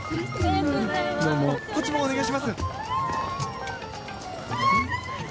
こっちも、お願いします。